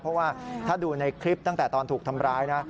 เพราะว่าถ้าดูในคลิปตั้งแต่ตอนถูกทำร้ายนะ